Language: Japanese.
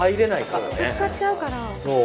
ぶつかっちゃうから。